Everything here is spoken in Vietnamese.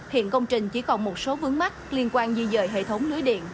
hiện công trình chỉ còn một số vướng mắt liên quan di dời hệ thống lưới điện